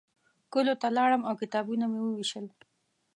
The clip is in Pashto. کلیو ته لاړم او کتابونه مې ووېشل.